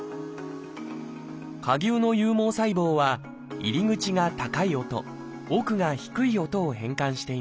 蝸牛の有毛細胞は入り口が高い音奥が低い音を変換しています。